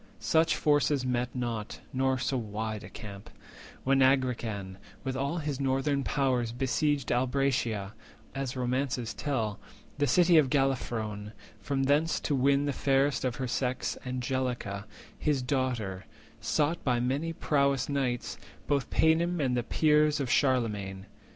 Such forces met not, nor so wide a camp, When Agrican, with all his northern powers, Besieged Albracea, as romances tell, The city of Gallaphrone, from thence to win 340 The fairest of her sex, Angelica, His daughter, sought by many prowest knights, Both Paynim and the peers of Charlemane.